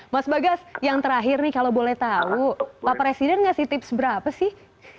mas bagas yang terakhir nih kalau boleh tahu pak presiden ngasih tips berapa sih